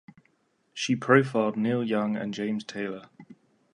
She profiled Neil Young and James Taylor.